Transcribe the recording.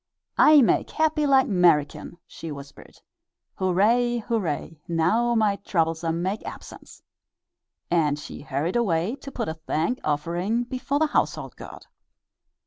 "I make happy like 'Merican," she whispered. "Hooray, hooray! now my troublesome make absence," and she hurried away to put a thank offering before the household god.